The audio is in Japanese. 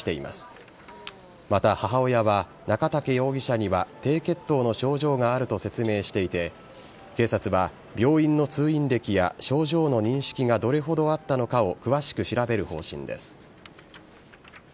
また、母親は中武容疑者には低血糖の症状があると説明していて警察は病院の通院歴や症状の認識がどれほどあったのかを詳しく調べる方針です。